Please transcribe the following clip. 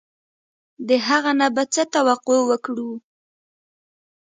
د هغه نه به څه توقع وکړو.